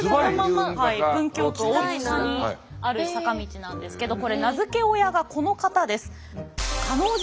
文京区大塚にある坂道なんですけどこれ名付け親がこの方です。